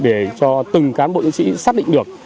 để cho từng cán bộ diễn sĩ xác định được